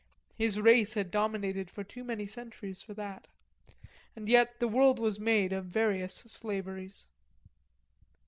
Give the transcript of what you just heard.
His race had dominated for too many centuries for that. And yet the world was made of various slaveries.